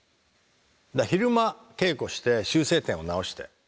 だから昼間稽古して修正点を直して。